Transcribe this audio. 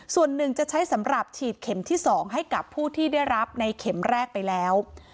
ส่วนหนึ่งจะใช้สำหรับฉีดเข็มที่๒ให้กับผู้ที่ได้รับในเข็มแรกไปแล้ว